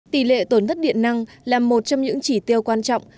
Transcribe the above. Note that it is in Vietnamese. tỷ lệ tổn thất điện năng là một trong những chỉ tiêu quan trọng